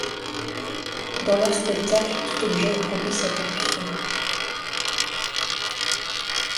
Dans leur spectacle tout objet est propice à percussion.